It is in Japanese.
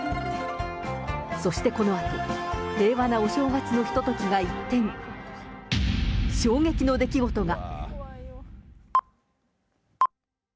そしてこのあと、平和なお正月のひとときが一転、衝撃の出来事が。